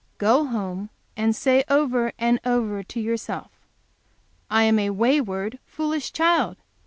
Go home and say over and over to yourself, 'I am a wayward, foolish child.